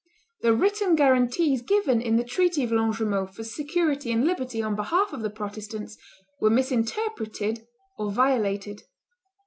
The written guarantees given in the treaty of Longjumeau for security and liberty on behalf of the Protestants were misinterpreted or violated.